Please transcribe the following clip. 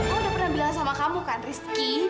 aku udah pernah bilang sama kamu kan rizky